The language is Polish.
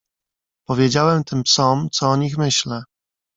"Powiedziałem tym psom, co o nich myślę."